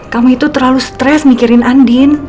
kamu itu terlalu stres mikirin andin